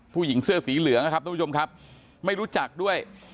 ผู้หญิงเสื้อสีเหลืองนะครับทุกผู้ชมครับไม่รู้จักด้วย